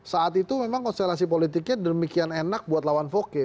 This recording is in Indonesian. saat itu memang konstelasi politiknya demikian enak buat lawan voke